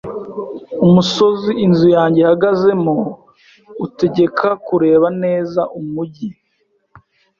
Umusozi inzu yanjye ihagazemo utegeka kureba neza umujyi.